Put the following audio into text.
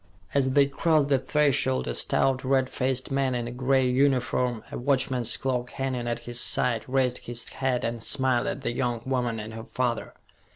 As they crossed the threshold a stout, red faced man in a gray uniform, a watchman's clock hanging at his side, raised his hat and smiled at the young woman and her father.